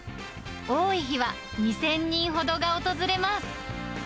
多い日は２０００人ほどが訪れます。